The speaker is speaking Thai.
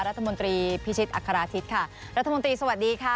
รัฐมนตรีพิชิตอัคราธิตค่ะรัฐมนตรีสวัสดีค่ะ